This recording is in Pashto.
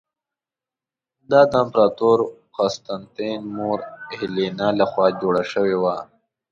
دا د امپراتور قسطنطین مور هیلینا له خوا جوړه شوې وه.